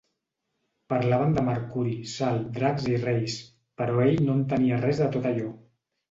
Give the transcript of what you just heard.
Parlaven de mercuri, sal, dracs i reis, però ell no entenia res de tot allò.